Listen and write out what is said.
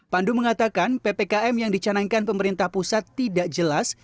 pandu mengatakan ppkm yang dicanangkan pemerintah pusat tidak jelas